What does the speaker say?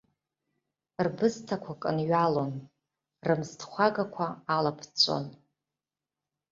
Рбысҭақәа кынҩалон, рымсҭхәагақәа алаԥҵәҵәон.